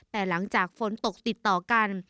แต่หลังจากฝนตกติดต่อกัน